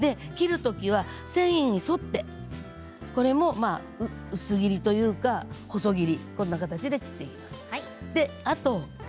切るときは繊維に沿ってこれも薄切りというか細切りこんな形で切っていきます。